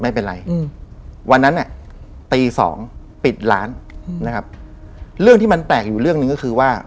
ไม่เป็นไรอืมวันนั้นอ่ะตีสองปิดร้านอืมนะครับเรื่องที่มันแปลกอยู่เรื่องหนึ่งก็คือว่า